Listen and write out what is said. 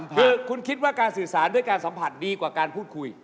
คือคุณคิดว่าการสื่อสารด้วยการสัมผัสดีกว่าการพูดคุย